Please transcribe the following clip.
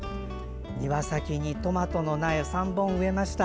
庭先にトマトの苗３本植えました。